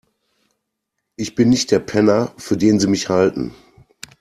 Ich bin nicht der Penner, für den Sie mich halten.